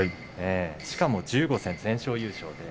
しかも１５戦全勝優勝で。